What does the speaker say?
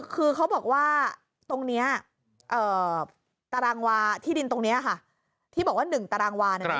คือเขาบอกว่าตรงเนี้ยตารางวาที่ดินตรงเนี้ยค่ะที่บอกว่าหนึ่งตารางวานะครับ